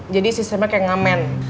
jadi sistemnya kaya ngamen